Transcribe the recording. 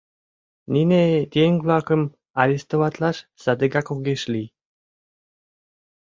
Нине еҥ-влакым арестоватлаш садыгак огеш лий...